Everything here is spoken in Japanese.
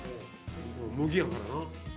麦やからな。